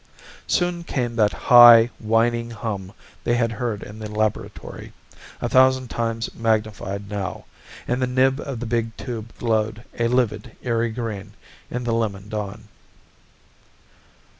Soon came that high, whining hum they had heard in the laboratory a thousand times magnified now and the nib of the big tube glowed a livid, eery green in the lemon dawn.